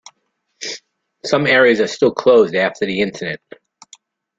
Some areas are still closed after the incident.